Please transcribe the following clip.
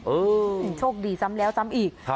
โชคดีซ้ำแล้วซ้ำอีก